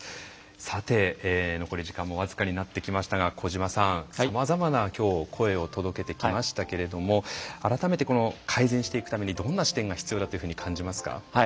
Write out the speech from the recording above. さて、残り時間も僅かになってきましたが小島さん、さまざまな今日声を届けてきましたけれども改めて、改善していくためにどんな視点が必要だというふうに感じますか？